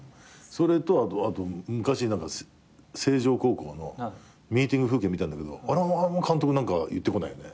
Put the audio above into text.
それとあと昔星城高校のミーティング風景見たんだけどあれも監督言ってこないよね。